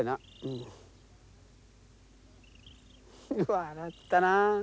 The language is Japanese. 笑ったな。